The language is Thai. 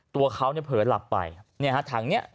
ตัวเขาเนี่ยเผลอหลับไปเนี่ยฮะถังนี้